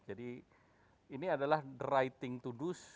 jadi ini adalah the right thing to do